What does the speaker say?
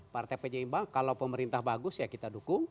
partai penyeimbang kalau pemerintah bagus ya kita dukung